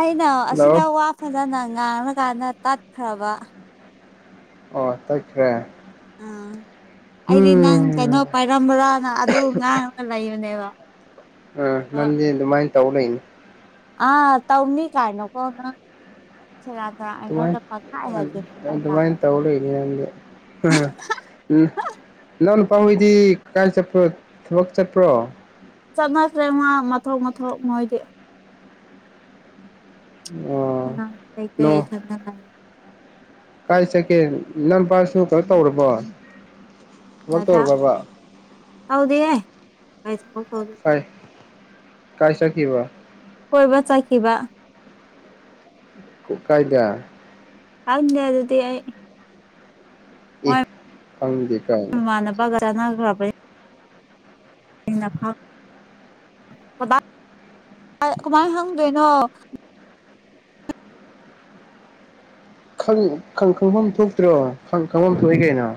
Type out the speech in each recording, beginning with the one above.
ꯑꯩꯅ ꯍꯜꯂꯣ ꯑꯁꯤꯗ ꯋꯥ ꯐꯖꯅ ꯉꯥꯡꯔꯀꯥꯟꯗ ꯇꯠꯈ꯭ꯔꯕ ꯑꯣ ꯇꯠꯈ꯭ꯔꯦ ꯑꯥ ꯑꯩꯗꯤ ꯅꯪ ꯎꯝ ꯀꯩꯅꯣ ꯄꯥꯏꯔꯝꯕ꯭ꯔꯥꯅ ꯑꯗꯨ ꯉꯥꯡꯉꯒ ꯂꯩꯕꯅꯦꯕ ꯑ ꯅꯪꯗꯤ ꯑꯗꯨꯃꯥꯏꯅ ꯇꯧ ꯂꯩꯅꯤ ꯑꯥ ꯇꯧꯅꯤ ꯀꯥꯏ ꯅ ꯀꯣ ꯅꯪ [unintelligible] ꯑꯗꯨꯃꯥꯏ ꯄꯪꯍꯥꯏ ꯑ ꯍꯥꯏꯖꯤꯜꯂ ꯐꯠ ꯑꯗꯨꯃꯥꯏꯟ ꯂꯥꯎꯒꯅꯤ ꯇꯧ ꯂꯩ ꯅꯪꯗꯤ ꯎꯝ ꯅ ꯅꯄꯥꯍꯣꯏꯗꯤ ꯀꯥꯏ ꯆꯠꯄ꯭ꯔꯣ ꯊꯕꯛ ꯆꯠꯄ꯭ꯔꯣ ꯆꯠꯅꯈ꯭ꯔꯦ ꯃꯥ ꯃꯊꯣꯛ ꯃꯊꯣꯛ ꯃꯣꯏꯗꯤ ꯑꯣ ꯅꯣ [unintelligible] ꯀꯥꯏ ꯆꯀꯦ ꯅꯪ ꯄꯁꯨ ꯀꯩꯅꯣ ꯇꯧꯔꯕꯣ ꯊꯕꯛ ꯑꯗ ꯇꯧꯔꯕꯕ ꯇꯥꯎꯗꯤꯗꯦ ꯀꯩ ꯊꯕꯛ ꯇꯧ ꯀꯥꯏ ꯀꯥꯏ ꯆꯈꯤꯕ ꯀꯣꯏꯕ ꯆꯈꯤꯕ ꯀꯥꯏꯗ ꯈꯪꯗꯦ ꯑꯗꯨꯗꯤ ꯑꯩ ꯏ ꯈꯪꯗꯦ ꯀꯥꯏ ꯏꯃꯥꯟꯅꯕꯒ ꯆꯥꯅꯒ꯭ꯔꯕꯩ [unintelligible] ꯀꯃꯥꯏ ꯍꯪꯗꯣꯏꯅꯣ ꯈꯪ ꯈꯪ ꯈꯪꯕꯝ ꯊꯣꯛꯇ꯭ꯔꯣ ꯈꯪ ꯈꯪꯕꯝ ꯊꯣꯛꯏ ꯀꯩꯅꯣ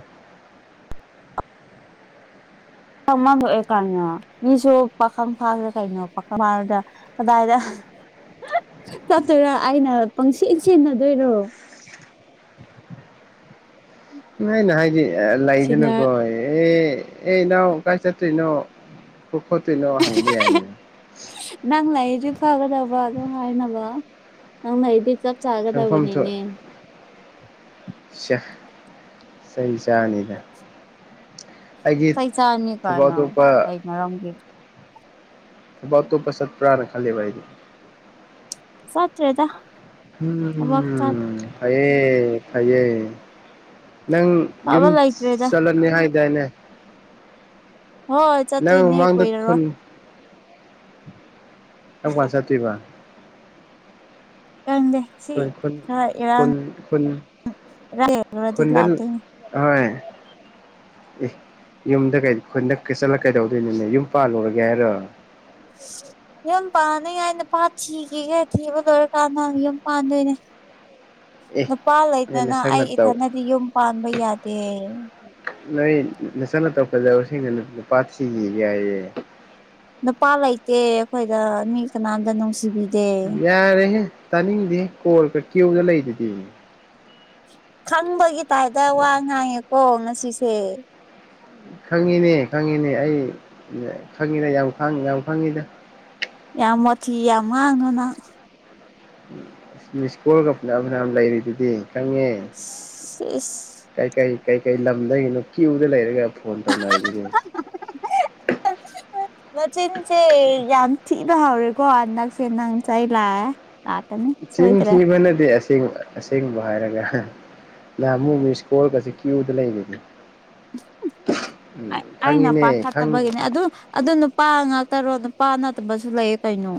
ꯃꯥ ꯃꯥꯡꯊꯣꯛꯑꯦ ꯀꯥꯏꯅ ꯃꯤꯁꯨ ꯄꯥꯈꯪ ꯐꯥꯈ꯭ꯔꯦ ꯀꯩꯅꯣ ꯄꯥꯈꯪ ꯐꯥꯔꯗ ꯀꯗꯥꯏꯗ ꯆꯠꯇꯣꯏꯔꯥ ꯑꯩꯅ ꯄꯪꯁꯤ ꯁꯦꯟꯅꯗꯣꯏꯔꯣ [inaudible] ꯅꯥꯏ ꯅ ꯍꯥꯏꯗꯤ ꯑ ꯁꯤꯅ ꯂꯩꯗꯅꯀꯣ ꯑꯦ ꯑꯦ ꯏꯅꯥꯎ ꯀꯥꯏ ꯆꯠꯇꯣꯏꯅꯣ ꯊꯣꯛ ꯈꯣꯠꯇꯣꯏꯅꯣ ꯍꯪꯕ ꯌꯥꯏ ꯅꯪ ꯂꯩꯗꯤ ꯐꯒꯗꯕ ꯑꯗꯨꯝ ꯍꯥꯏꯅꯕ ꯅꯪ ꯂꯩꯗꯤ ꯆꯠ ꯈꯪꯐꯝꯁꯨ ꯆꯥꯒꯗꯕꯅꯤꯅꯦ ꯁꯦ ꯆꯩ ꯆꯥꯅꯤꯗ ꯑꯩꯒꯤ ꯆꯩ ꯆꯥꯅꯤ ꯊꯕꯛ ꯀꯥꯏꯅ ꯑꯇꯣꯞꯄ ꯀꯩ ꯃꯔꯝꯒꯤ ꯊꯕꯛ ꯑꯇꯣꯞꯄ ꯆꯠꯄ꯭ꯔꯥꯅ ꯈꯜꯂꯤꯕ ꯑꯩꯗꯤ ꯆꯠꯇ꯭ꯔꯦꯗ ꯊꯕꯛ ꯆꯠ ꯎꯝ ꯐꯩꯌꯦ ꯐꯩꯌꯦ ꯅꯪ ꯐꯕ ꯌꯨꯝ ꯂꯩꯇ꯭ꯔꯦꯗ ꯆꯠꯂꯅꯤ ꯍꯥꯏꯗꯥꯏꯅꯦ ꯍꯣꯏ ꯅꯪ ꯆꯠꯇꯣꯏꯅꯦ ꯃꯃꯥꯡꯗ ꯀꯨꯏꯔꯔꯣꯏ ꯈꯨꯟ ꯀꯝꯀꯥꯟ ꯆꯠꯇꯣꯏꯕ ꯀꯪꯗꯦ ꯁꯤ ꯈꯨꯟ ꯈꯨꯟ ꯈꯔ ꯏꯔꯥꯡ ꯈꯨꯟ ꯈꯨꯟ ꯏꯔꯥꯏ ꯈꯔꯗꯤ ꯈꯨꯟꯗ ꯂꯥꯛꯇꯣꯏꯅꯦ ꯍꯣꯏ ꯑꯦ ꯌꯨꯝꯗ ꯀꯩ ꯈꯨꯟꯗꯥ ꯆꯠꯂ ꯀꯩꯗꯧꯗꯣꯏꯅꯤꯅꯦ ꯌꯨꯝ ꯄꯥꯜꯂꯨꯔꯒꯦ ꯍꯥꯏꯔꯣ [unintelligible] ꯌꯨꯝ ꯄꯥꯟꯅꯤꯡꯉꯥꯏ ꯅꯨꯄꯥ ꯊꯤꯈꯤꯒꯦ ꯊꯤꯕ ꯂꯣꯏꯔꯀꯥꯟꯗ ꯌꯨꯝ ꯄꯥꯟꯗꯣꯏꯅꯦ ꯑꯦ ꯅꯨꯄꯥ ꯅꯣꯏ ꯂꯩꯇꯅꯥ ꯅꯁꯛ ꯑꯩ ꯅꯇꯧ ꯏꯊꯟꯅꯗꯤ ꯌꯨꯝ ꯄꯥꯟꯕ ꯌꯥꯗꯦ ꯅꯣꯏ ꯅꯆꯠ ꯅꯇꯧ ꯐꯖꯕꯁꯤꯡꯅ ꯅꯨꯄꯥ ꯊꯤꯈꯤꯒꯦ ꯍꯥꯏꯌꯦ ꯅꯨꯄꯥ ꯂꯩꯇꯦ ꯑꯩꯈꯣꯏꯗ ꯃꯤ ꯀꯅꯥꯝꯇ ꯅꯨꯡꯁꯤꯕꯤ ꯌꯥꯔꯦꯍꯦ ꯇꯥꯅꯤꯡꯗꯦ ꯀꯣꯜꯒ ꯀ꯭ꯌꯨꯗ ꯂꯩꯗꯨꯗꯤ ꯈꯪꯕꯒꯤ ꯇꯥꯏꯞꯇ ꯋꯥ ꯉꯥꯡꯉꯦꯀꯣ ꯉꯁꯤꯁꯦ ꯈꯪꯉꯤꯅꯦ ꯈꯪꯉꯤꯅꯦ ꯑꯩ ꯈꯪꯉꯤꯗ ꯌꯥꯝ ꯌꯥꯝ ꯈꯪꯉꯤꯗ ꯌꯥꯝ ꯋꯥꯊꯤ ꯌꯥꯝ ꯉꯥꯡꯅꯨ ꯅꯪ ꯃꯤꯁꯀꯣꯜꯒ ꯐꯅꯌꯥꯝ ꯐꯅꯌꯥꯝ ꯂꯩꯔꯤꯗꯨꯗꯤ ꯈꯪꯉꯦ ꯏꯁ ꯀꯩꯀꯩ ꯀꯩꯀꯩ ꯂꯝꯗꯒꯤꯅꯣ ꯀ꯭ꯌꯨꯗ ꯂꯩꯔꯒ ꯐꯣꯟ ꯇꯧꯅꯔꯤꯗꯨ ꯅꯆꯤꯟꯁꯦ ꯌꯥꯝ ꯊꯤꯅ ꯍꯧꯔꯦꯀꯣ ꯍꯟꯗꯛꯁꯦ ꯅꯪ ꯆꯩ ꯂꯥꯛꯑꯦ ꯂꯥꯛꯀꯅꯤ ꯆꯤꯟ ꯁꯣꯏꯗ꯭ꯔꯦ ꯊꯤꯕ ꯅꯠꯇꯦ ꯑꯁꯦꯡ ꯑꯁꯦꯡꯕ ꯍꯥꯏꯔꯒ ꯅꯍꯥꯟꯃꯨꯛ ꯃꯤꯁꯀꯣꯜꯒꯖꯦ ꯀ꯭ꯌꯨꯗ ꯂꯩꯕꯅꯤ ꯑꯩꯅ ꯈꯪꯉꯤꯅꯦ ꯈꯪꯉꯤ ꯄꯥꯏꯈꯠꯇꯕꯒꯤꯅꯦ ꯑꯗꯨ ꯑꯗꯨ ꯅꯨꯄꯥ ꯉꯥꯛꯇꯔꯣ ꯅꯨꯄꯥ ꯅꯠꯇꯕꯁꯨ ꯂꯩꯌꯦ ꯀꯩꯅꯣ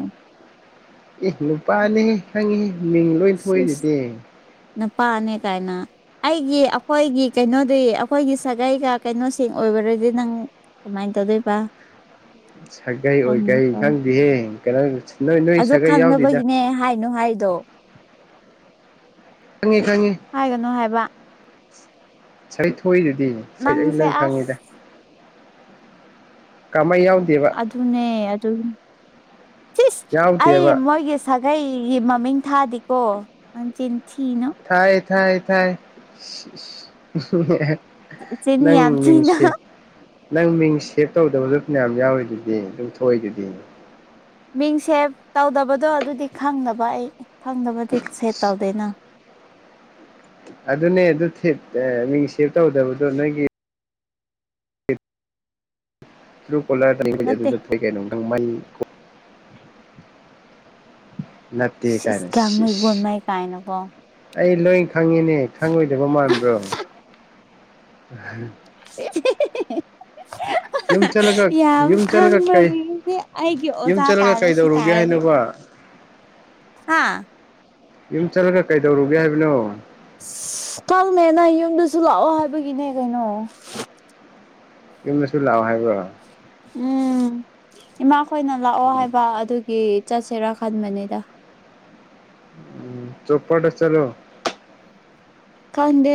ꯑꯤ ꯅꯨꯄꯥꯅꯦꯍꯤ ꯈꯪꯉꯤ ꯃꯤꯡ ꯂꯣꯏ ꯁꯤꯁ ꯊꯣꯛꯏꯗꯨꯗꯤ ꯅꯨꯄꯥꯅꯦ ꯀꯥꯏꯅ ꯑꯩꯒꯤ ꯑꯩꯈꯣꯏꯒꯤ ꯀꯩꯅꯣꯗꯤ ꯑꯩꯈꯣꯏꯒꯤ ꯁꯥꯒꯩꯒ ꯀꯩꯅꯣꯁꯤꯡ ꯑꯣꯏꯕꯔꯗꯤ ꯅꯪ ꯀꯃꯥꯏ ꯇꯧꯗꯣꯏꯕ ꯁꯥꯒꯩ ꯑꯣꯏꯈꯩ ꯈꯪꯉꯦꯀꯣ ꯈꯪꯗꯤꯌꯦ [unintelligible] ꯑꯗꯨ ꯈꯪꯗꯕꯒꯤꯅꯦ ꯍꯥꯏꯅꯨ ꯍꯥꯏꯗꯣ ꯈꯪꯉꯦ ꯈꯪꯉꯤ ꯍꯥꯏꯒꯅꯣ ꯍꯥꯏꯕ ꯁꯥꯏꯊꯣꯛꯏꯗꯨꯗꯤ ꯁ ꯑꯩ ꯅꯪꯁꯦ ꯂꯣꯏ ꯑꯁ ꯈꯪꯉꯤꯗ ꯀꯥꯃꯩ ꯌꯥꯎꯗꯦꯕꯥ ꯑꯗꯨꯅꯦ ꯑꯗꯨ ꯁꯤꯁ ꯑꯩ ꯌꯥꯎꯗꯦꯕ ꯃꯣꯏꯒꯤ ꯁꯥꯒꯩꯒꯤ ꯃꯃꯤꯡ ꯊꯥꯗꯤꯀꯣ ꯅꯪ ꯆꯤꯟ ꯊꯤꯅꯨ ꯊꯥꯏ ꯊꯥꯏ ꯊꯥꯏ ꯆꯤꯟ ꯅꯪ ꯌꯥꯝ ꯊꯤꯅ ꯃꯤꯡꯁꯤ ꯅꯪ ꯃꯤꯡ ꯁꯦꯞ ꯇꯧꯗꯕꯁꯨ ꯃꯌꯥꯝ ꯌꯥꯎꯋꯤ ꯑꯗꯨꯗꯤ ꯑꯗꯨꯝꯊꯏ ꯑꯗꯨꯗꯤ ꯃꯤꯡ ꯁꯦꯞ ꯇꯧꯗꯕꯗꯣ ꯑꯗꯨꯗꯤ ꯈꯪꯗꯕ ꯑꯩ ꯈꯪꯗꯕꯗꯤ ꯁꯦꯞ ꯇꯧꯗꯣꯏꯅ ꯑꯗꯨꯅꯦ ꯑꯗꯨ ꯊ ꯃꯤꯡ ꯁꯦꯞ ꯇꯧꯗꯕꯗꯣ ꯅꯣꯏꯒꯤ ꯇꯨꯀꯣꯂꯥ ꯅꯠꯇꯦ ꯑꯗꯨꯗ ꯀꯩꯅꯣ ꯂꯠꯇ ꯁꯤꯁ ꯀꯅ ꯒ꯭ꯌꯥꯡꯃꯩ ꯒꯣꯟꯃꯩ ꯀꯥꯏꯅꯀꯣ ꯑꯩ ꯂꯣꯏ ꯈꯪꯉꯤꯅꯦ ꯈꯪꯉꯣꯏꯗꯕ ꯃꯥꯟꯕ꯭ꯔꯣ ꯌꯨꯝ ꯆꯠꯂꯒ [inaudible] ꯌꯥꯝ ꯌꯨꯝ ꯆꯠꯂꯒ ꯀꯩ ꯈꯪꯕꯒꯤꯅꯦ ꯑꯩꯒꯤ ꯌꯨꯝ ꯑꯣꯖꯥ ꯆꯠꯂꯒ ꯇꯥꯔ ꯁꯤ ꯀꯩꯗꯧꯔꯨꯒꯦ ꯇꯥꯔꯁꯦ [inaudible] ꯍꯥꯏꯅꯣꯕ ꯍꯥꯥ ꯌꯨꯝ ꯆꯠꯂꯒ ꯀꯩꯗꯧꯔꯨꯒꯦ ꯍꯥꯏꯕꯅꯣ ꯑ ꯀꯪꯃꯦꯅ ꯌꯨꯝꯗꯁꯨ ꯂꯥꯛꯑꯣ ꯍꯥꯏꯕꯒꯤꯅꯦ ꯀꯩꯅꯣ ꯀ ꯂꯁꯨ ꯂꯥꯎꯑꯣ ꯍꯥꯏꯕꯣ ꯎꯝ ꯏꯃꯥꯈꯣꯏꯅ ꯂꯥꯛꯑꯣ ꯍꯥꯏꯕ ꯑꯗꯨꯒꯤ ꯆꯠꯁꯤꯔꯥ ꯈꯟꯕꯅꯤꯗ ꯎꯝ ꯆꯣꯞꯄꯠꯁ ꯆꯂꯣ ꯈꯪꯗꯦ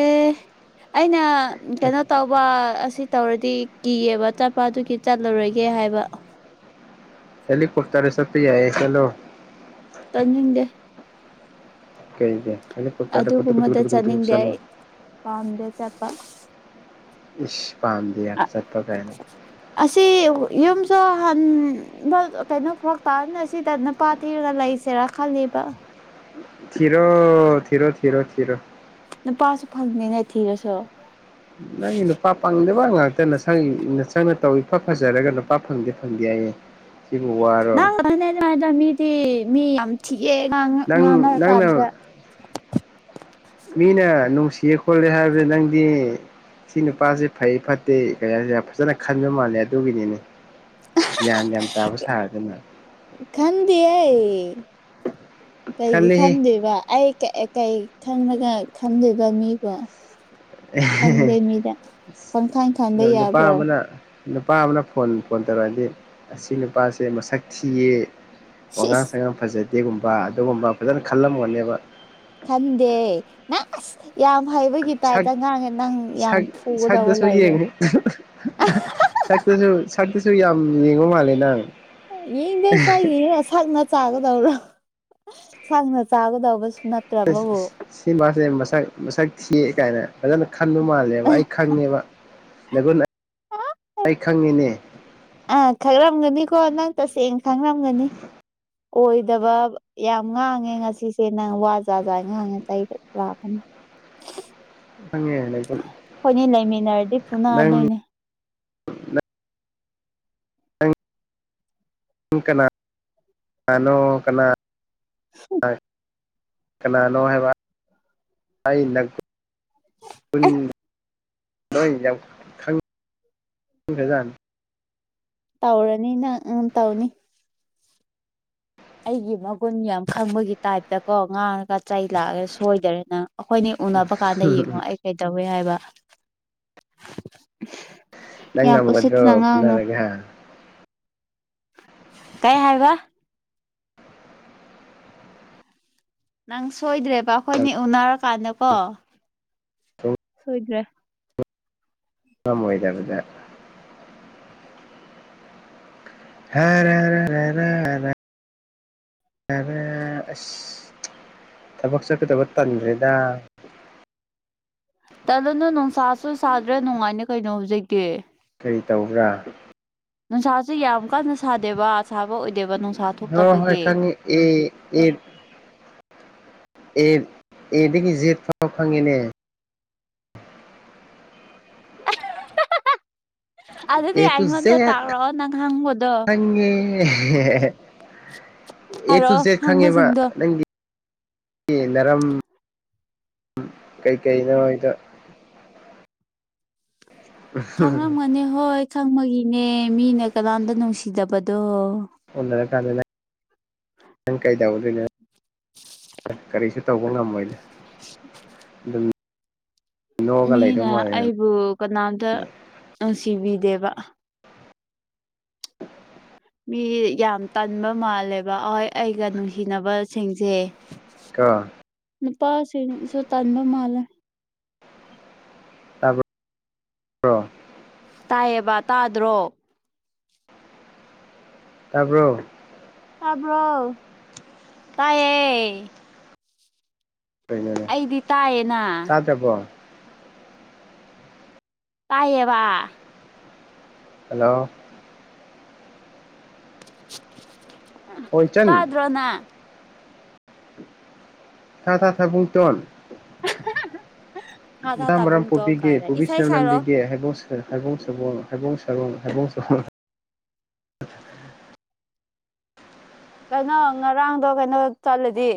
ꯑꯩꯅ ꯀꯩꯅꯣ ꯇꯧ ꯋꯥ ꯑꯁꯤ ꯇꯧꯔꯗꯤ ꯀꯤꯌꯦꯕ ꯆꯠꯄ ꯑꯗꯨꯒꯤ ꯆꯠꯂꯨꯔꯣꯏꯒꯦ ꯍꯥꯏꯕ ꯁꯦꯜ ꯈꯨꯔꯇꯥꯔꯦ ꯁꯠꯨ ꯌꯦꯁꯂꯣ ꯇꯅꯤꯡꯗꯦ ꯍꯦꯂꯨ ꯀꯨꯠꯠꯔꯗ ꯀ ꯀ ꯀ ꯑꯗꯨꯒꯨꯝꯕꯗ ꯆꯠꯅꯤꯡꯗꯦ ꯆꯠꯂꯣ ꯑꯩ ꯄꯥꯝꯗꯦ ꯆꯠꯄ ꯏ ꯄꯥꯥꯝꯗꯦ ꯌꯥꯃꯄꯥ ꯀꯥꯏꯅꯥ ꯑꯁꯤ ꯌꯨꯝꯁꯨ ꯀꯩꯅꯣ ꯈꯔ ꯇꯥꯅ ꯁꯤꯗ ꯅꯨꯄꯥ ꯊꯤꯔꯒ ꯂꯩꯁꯦꯔꯥ ꯈꯂꯦꯕ ꯊꯤꯔꯣ ꯊꯤꯔꯣ ꯊꯔꯣ ꯊꯤꯔꯣ ꯅꯨꯄꯥꯁꯨ ꯐꯪꯗꯦꯅꯦ ꯊꯤꯔꯁꯨ ꯅꯪꯒꯤ ꯅꯨꯄꯥ ꯄꯪꯗꯕ ꯉꯥꯛꯇ ꯅꯁꯪ ꯅꯁꯪꯅ ꯇꯧ ꯏꯐ ꯐꯖꯔꯒ ꯅꯨꯄꯥ ꯐꯪꯗꯦ ꯐꯪꯗꯦ ꯍꯥꯏꯌꯦ ꯑ ꯁꯤꯕꯨ ꯋꯥꯔꯣ ꯅꯪ ꯉꯅꯦ ꯑꯗꯨꯉꯥꯏꯗ ꯃꯤꯗꯤ ꯃꯤ ꯌꯥꯝ ꯊꯤꯛꯑꯦ ꯅꯪ ꯉꯥꯡꯅꯔ ꯅꯪꯅ ꯀꯥꯟꯗ ꯃꯤꯅ ꯅꯨꯡꯁꯤꯌꯦ ꯈꯣꯠꯂꯦ ꯍꯥꯏꯕꯗ ꯅꯪꯗꯤ ꯁꯤ ꯅꯨꯄꯥꯁꯤ ꯐꯩ ꯐꯠꯇꯦ ꯀꯩ ꯍꯥꯏꯁꯦ ꯌꯥꯝ ꯐꯖꯅ ꯈꯟꯕ ꯃꯥꯜꯂꯦ ꯑꯗꯨꯒꯤꯅꯤꯅꯦ ꯒ꯭ꯌꯥꯟ ꯒ꯭ꯌꯥ ꯇꯥꯕ ꯁꯥꯔꯗꯅ ꯈꯟꯗꯦ ꯑꯩ ꯀꯩꯒꯤ ꯈꯜꯂꯦꯍꯦ ꯈꯟꯗꯦꯕ ꯑꯩ ꯀꯩ ꯈꯪꯒ ꯈꯪꯗꯕ ꯃꯤꯕꯣ ꯈꯟꯗꯦ ꯃꯤꯗ ꯄꯪꯈꯟ ꯈꯟꯕ ꯅꯨꯄꯥ ꯌꯥꯕ꯭ꯔꯣ ꯑꯃꯅ ꯅꯨꯄꯥ ꯑꯃꯅ ꯐꯣꯟ ꯐꯣꯟ ꯇꯧꯔꯛꯑꯗꯤ ꯑꯁꯤ ꯅꯨꯄꯥꯁꯦ ꯃꯁꯛ ꯊꯤꯌꯦ ꯋꯥꯉꯥꯡ ꯁꯤꯁ ꯁꯉꯥꯡ ꯐꯖꯗꯦꯒꯨꯝꯕ ꯑꯗꯨꯒꯨꯝꯕ ꯐꯖꯅ ꯈꯜꯂꯝꯒꯅꯦꯕ ꯈꯟꯗꯦ ꯑ ꯁ ꯅ ꯌꯥꯝ ꯍꯩꯕꯒꯤ ꯁꯛ ꯇꯥꯏꯞꯇ ꯉꯥꯡꯉꯦ ꯅꯪ ꯌꯥꯝ ꯁꯛ ꯐꯨꯒꯗꯕ ꯁꯛꯇꯁꯨ ꯂꯩꯔꯦ ꯌꯦꯡꯉꯤ ꯁꯛꯇꯁꯨ ꯁꯛꯇꯁꯨ ꯌꯥꯝ ꯌꯦꯡꯕ ꯃꯥꯜꯂꯦ ꯅꯪ ꯌꯦꯡꯗ ꯆꯥꯏꯒꯤꯔ ꯁꯛꯅ ꯆꯥꯒꯗꯧꯔꯣ ꯁꯛꯅ ꯆꯥꯒꯗꯧꯕꯁꯨ ꯅꯠꯇ ꯁꯤ ꯃꯥꯁꯦ ꯃꯁꯛ ꯃꯁꯛ ꯊꯤ ꯀꯥꯏꯅ ꯐꯖꯅ ꯈꯟꯕ ꯃꯥꯜꯂꯦꯕ ꯑꯩ ꯈꯪꯉꯦꯕ ꯂꯩꯒꯨꯟ ꯑꯩ ꯈꯪꯉꯤꯅꯦ ꯑꯥ ꯈꯪꯔꯝꯒꯅꯤꯀꯣ ꯅꯪ ꯇꯁꯦꯡꯅ ꯈꯪꯔꯝꯒꯅꯤ ꯑꯣꯏꯗꯕ ꯌꯥꯝ ꯉꯥꯡꯉꯦ ꯉꯁꯤꯁꯦ ꯅꯪ ꯋꯥ ꯖꯥ ꯖꯥ ꯉꯥꯡꯉꯦ ꯆꯍꯤ ꯂꯥꯛꯀꯥꯅꯤ ꯈꯪꯉꯦ ꯂꯩꯐꯝ ꯍꯣꯏꯅꯦ ꯂꯩꯃꯤꯟꯅꯔꯗꯤ ꯅꯪ ꯐꯨꯅꯗꯣꯏꯅꯦ ꯅꯒ ꯀꯅ ꯀꯅꯥꯅꯣ ꯀꯅꯥꯥ ꯅꯣ ꯍꯥꯏ ꯕ ꯎ ꯅꯣꯏ ꯌꯥꯝ ꯈꯪ [unintelligible] ꯇꯧꯔꯅꯤ ꯅꯪ ꯎꯝ ꯇꯧꯅꯤ ꯑꯩꯒꯤ ꯃꯒꯨꯟ ꯌꯥꯝ ꯈꯪꯕꯒꯤ ꯇꯥꯏꯞꯇ ꯀꯣ ꯉꯥꯡꯉꯒ ꯆꯩ ꯂꯥꯛꯑꯒ ꯁꯣꯏꯗꯔꯦ ꯅꯪ ꯑꯩꯈꯣꯏꯅꯤ ꯎꯅꯕ ꯀꯥꯟꯗ ꯌꯦꯡꯉꯣ ꯑꯩ ꯀꯩ ꯇꯧꯋꯦ ꯍꯥꯏꯕ ꯅꯪ ꯌꯥꯝ ꯎꯁꯤꯠꯇꯅ ꯉꯝꯒꯗ꯭ꯔꯣ ꯉꯥꯡꯅꯨ ꯐꯨꯅꯔꯒ ꯍꯥ ꯀꯩ ꯍꯥꯏꯕ ꯅꯪ ꯁꯣꯏꯗ꯭ꯔꯦꯕ ꯑꯩꯈꯣꯏꯅꯤ ꯎꯅꯔꯀꯥꯟꯗꯀꯣ ꯁꯣꯏꯗ꯭ꯔꯦ ꯉꯝꯃꯣꯏꯗꯕꯗ [unintelligible] ꯑꯁ ꯊꯕꯛ ꯆꯠꯀꯗꯕ ꯇꯟꯒ꯭ꯔꯦꯗ ꯇꯂꯅꯨ ꯅꯨꯡꯁꯥꯁꯨ ꯁꯥꯗ꯭ꯔꯦ ꯅꯨꯡꯉꯥꯏꯅꯦ ꯀꯩꯅꯣ ꯍꯧꯛꯖꯤꯛ ꯇꯤ ꯀꯩ ꯇꯧꯕ꯭ꯔꯥ ꯅꯨꯡꯁꯥꯁꯨ ꯌꯥꯝ ꯀꯟꯅ ꯁꯥꯗꯦꯕ ꯁꯥꯕ ꯑꯣꯏꯗꯦꯕ ꯅꯨꯡꯁꯥ ꯍꯣꯏ ꯍꯣꯏ ꯊꯣꯛꯇꯕꯒꯤ ꯈꯪꯉꯤ ꯑꯦ ꯑꯦ ꯑꯦ ꯑꯦꯗꯒꯤ ꯖꯦꯠ ꯐꯥꯎ ꯈꯪꯉꯦꯅꯦ ꯑꯗꯨꯗꯤ ꯑꯦ ꯑꯩꯉꯣꯟꯗ ꯇꯥꯎꯔꯣꯑꯣ ꯅꯪ ꯈꯪꯕꯗꯣ ꯉꯦ ꯑꯦ ꯇꯨ ꯍꯥꯏꯔꯛꯑꯣ ꯖꯦꯗ ꯈꯪꯉꯦꯕ ꯍꯪꯕꯁꯤꯡꯗꯣ ꯅꯪꯗꯤ ꯒꯤ ꯅꯔꯝ ꯀꯩ ꯀꯩ ꯅꯣ ꯗꯣ ꯈꯪꯂꯝꯝꯒꯅꯤ ꯍꯣꯏ ꯈꯪꯕꯒꯤꯅꯦ ꯃꯤꯅ ꯀꯅꯥꯝꯗ ꯅꯨꯡꯁꯤꯗꯕꯗꯣ ꯎꯟꯅꯔꯥ ꯀꯥꯟꯗ ꯅꯪ ꯀꯩꯗꯧꯗꯣꯏꯅꯣ ꯀꯔꯤꯁꯨ ꯇꯧꯕ ꯉꯝꯃꯣꯏꯅꯦ ꯑꯗꯨꯝ ꯅꯣꯛꯑꯒ ꯂꯩꯗꯧ ꯃꯤꯅ ꯃꯥꯜꯂꯦ ꯑꯩꯕꯨ ꯀꯅꯥꯝꯇ ꯅꯨꯡꯁꯤꯕꯤꯗꯦꯕ ꯃꯤ ꯌꯥꯝ ꯇꯟꯕ ꯃꯥꯜꯂꯦꯕ ꯑꯍꯣꯏ ꯑꯩꯒ ꯅꯨꯡꯁꯤꯅꯕ ꯁꯤꯡꯁꯦ ꯀꯣ ꯅꯨꯄꯥꯁꯤꯡꯁꯨ ꯇꯟꯕ ꯃꯥꯜꯂꯦ [unintelligible] ꯇꯥꯏꯌꯦꯕ ꯇꯥꯗ꯭ꯔꯣ ꯇꯥꯕ꯭ꯔꯣ ꯇꯥꯕ꯭ꯔꯣ ꯇꯥꯏꯌꯦ ꯑꯩꯗꯤ ꯇꯥꯏꯌꯦꯅ ꯇꯥꯕꯣ ꯇꯥꯏꯌꯦꯕ ꯍꯜꯂꯣ ꯍꯣꯏ ꯆꯟ ꯇꯥꯗꯔꯣ ꯅꯪ ꯊꯥ ꯊꯥ ꯊꯕꯨꯡꯇꯣꯟ ꯊꯥ ꯊꯥ ꯗꯥ ꯃꯔꯝ ꯇꯥꯕꯨꯡ ꯇꯣꯡ ꯄꯣꯕꯤꯒꯦ ꯀꯥꯏꯅ ꯏꯁꯩ ꯄꯣꯕꯤꯁꯥꯅꯝ ꯁꯛꯔꯛꯑꯣ ꯅꯝꯕꯤꯒꯦ ꯍꯥꯏꯕꯣꯡ ꯍꯩꯕꯣꯡ ꯁꯕꯣꯡ ꯍꯩꯕꯣꯡ ꯁꯔꯣꯡ ꯀꯩꯅꯣ ꯉꯔꯥꯡꯗꯣ ꯀꯩꯅꯣ ꯆꯠꯂꯗꯤ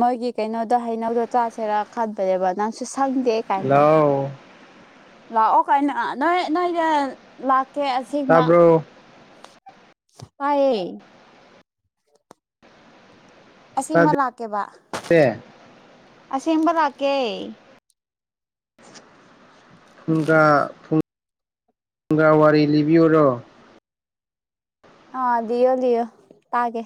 ꯃꯣꯏꯒꯤ ꯀꯩꯅꯣꯗꯣ ꯍꯩꯅꯧꯗꯣ ꯆꯥꯁꯦꯔꯥ ꯈꯟꯕꯅꯦꯕ ꯅꯪꯁꯨ ꯁꯪꯗꯦ ꯀꯥꯏꯅ ꯍꯜꯂꯣ ꯂꯥꯛꯑꯣ ꯀꯥꯏꯅꯣ ꯅꯣꯏ ꯅꯣꯏꯅꯦ ꯂꯥꯛꯀꯦ ꯇꯥꯕꯔꯣ ꯇꯥꯌꯦ ꯑꯁꯦꯡꯃ ꯂꯥꯛꯀꯦꯕ [unintelligible] ꯑꯁꯦꯡꯕ ꯂꯥꯛꯀꯦ ꯐꯨꯡꯒꯥ ꯐꯨꯡꯒꯥ ꯋꯥꯔꯤ ꯂꯤꯕꯤꯌꯨꯔꯣ ꯑꯥ ꯂꯤꯌꯣ ꯂꯤꯌꯣ ꯇꯥꯒꯦ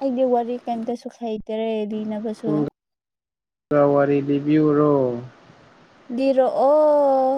ꯑꯩꯗꯤ ꯋꯥꯔꯤ ꯀꯩꯝꯇꯁꯨ ꯍꯩꯇꯔꯦ ꯂꯤꯅꯕ ꯐꯨꯡꯒꯥ ꯋꯥꯔꯤ ꯂꯤꯕꯤꯌꯨꯔꯣ ꯂꯤꯔꯛꯑꯣ